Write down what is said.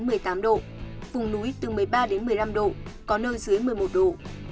nhiệt độ cao nhất từ một mươi ba đến một mươi năm độ có nơi dưới một mươi một độ